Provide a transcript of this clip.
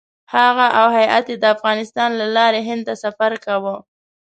هغه او هیات یې د افغانستان له لارې هند ته سفر کاوه.